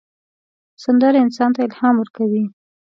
سندره انسان ته الهام ورکوي